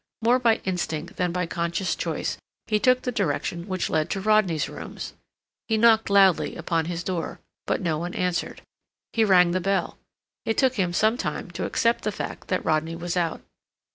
More by instinct than by conscious choice, he took the direction which led to Rodney's rooms. He knocked loudly upon his door; but no one answered. He rang the bell. It took him some time to accept the fact that Rodney was out.